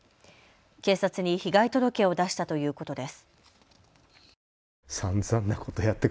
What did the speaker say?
警察に被害届を出したということです。